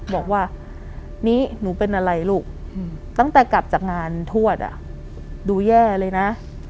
บอกว่านี่หนูเป็นอะไรลูกตั้งแต่กลับจากงานทวดดูแย่เลยนะ